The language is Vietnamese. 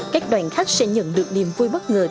các đoàn khách sẽ nhận được niềm vui bất ngờ